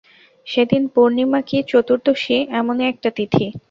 সেদিন পূর্ণিমা কি চতুর্দশী এমনি একটা তিথি।